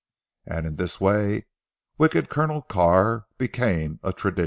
And in this way Wicked Colonel Carr became a tradition.